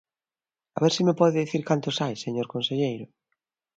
A ver se me pode dicir cantos hai, señor conselleiro.